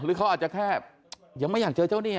หรือเขาอาจจะแค่ยังไม่อยากเจอเจ้านี่